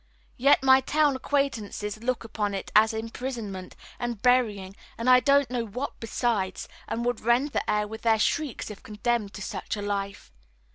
Yet my town acquaintances look upon it as imprisonment, and burying, and I don't know what besides, and would rend the air with their shrieks if condemned to such a life.